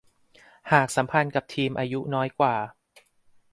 หากสัมพันธ์กับทีมอายุน้อยกว่า